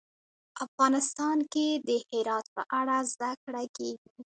افغانستان کې د هرات په اړه زده کړه کېږي.